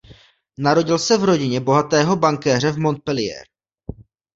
Narodil se v rodině bohatého bankéře v Montpellier.